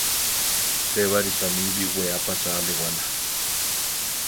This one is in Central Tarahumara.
Sébari tami biʼwéa pachá alewála.